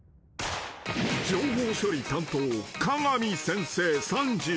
［情報処理担当］